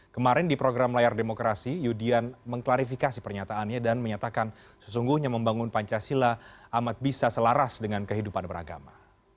kemarin di program layar demokrasi yudian mengklarifikasi pernyataannya dan menyatakan sesungguhnya membangun pancasila amat bisa selaras dengan kehidupan beragama